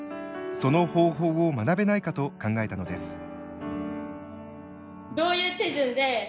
その方法を学べないかと考えたのです。